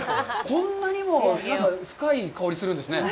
こんなにも深い香りがするんですね。